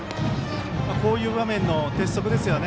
こういう場面の鉄則ですよね。